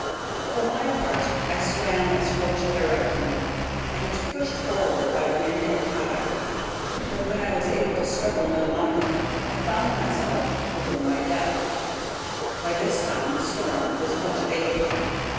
For my part, I swam as fortune directed me, and was pushed forward by wind and tide; but when I was able to struggle no longer I found myself within my depth. By this time the storm was much abated.